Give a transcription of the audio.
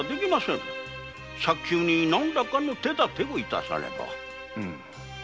早急に何らかの手だてを致さねば。